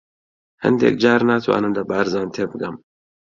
هەندێک جار ناتوانم لە بارزان تێبگەم.